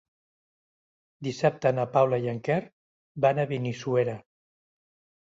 Dissabte na Paula i en Quer van a Benissuera.